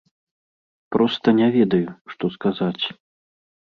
Проста не ведаю, што сказаць.